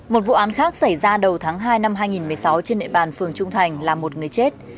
một vụ án khác xảy ra đầu tháng hai năm hai nghìn một mươi sáu trên địa bàn phường trung thành là một người chết